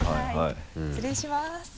失礼します。